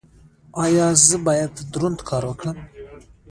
ایا زه باید دروند کار وکړم؟